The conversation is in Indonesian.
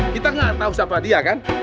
kita gak tau siapa dia kan